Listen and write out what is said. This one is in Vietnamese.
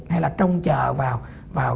hay là trông chờ vào